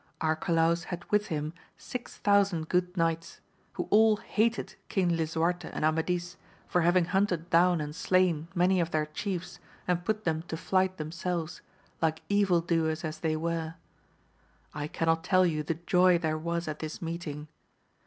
Arcalaus had with him six thousand good knights, who all hated Eang Lisu arte and Amadis for having hunted down and slain many of their chiefs and put them to flight themselves, like evil doers as they were. I cannot tell you the joy there was at this meeting.